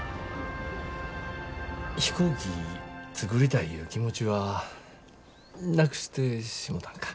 飛行機作りたいいう気持ちはなくしてしもたんか？